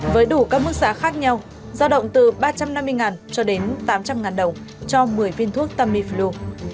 với đủ các mức giá khác nhau giao động từ ba trăm năm mươi cho đến tám trăm linh đồng cho một mươi viên thuốc tamiflu